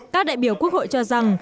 các đại biểu quốc hội cho rằng